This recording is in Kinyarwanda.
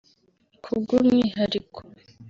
Ku bw’umwihariko